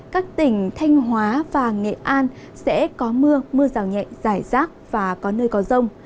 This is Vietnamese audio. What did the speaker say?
các tỉnh thanh hóa và nghệ an sẽ có mưa mưa rào nhẹ giải rác và có nơi có rông